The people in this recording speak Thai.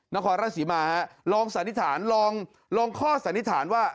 นครราชศรีมาฮะลองสันนิษฐานลองข้อสันนิษฐานว่า